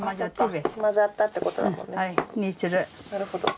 なるほど。